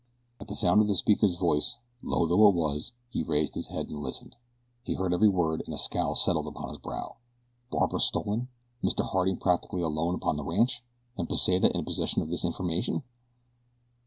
At the sound of the speaker's voice, low though it was, he raised his head and listened. He heard every word, and a scowl settled upon his brow. Barbara stolen! Mr Harding practically alone upon the ranch! And Pesita in possession of this information!